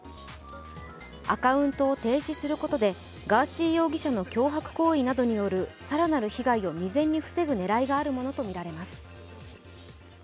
アカウントを停止することでガーシー容疑者の脅迫行為などによる更なる被害を未然に防ぐ狙いがあるものとみられます。